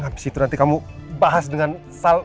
habis itu nanti kamu bahas dengan sal